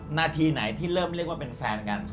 นาทีไหนที่เริ่มเรียกว่าเป็นแฟนกัน